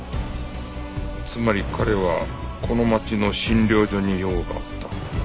つまり彼はこの町の診療所に用があった。